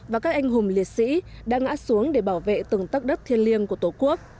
và các anh hùng liệt sĩ đã ngã xuống để bảo vệ từng tất đất thiên liêng của tổ quốc